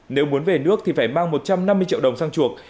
nếu muốn về nước thì phải mang một trăm năm mươi triệu đồng sang chuộc